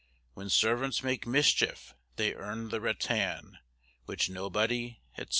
When servants make mischief, they earn the rattan; Which nobody, etc.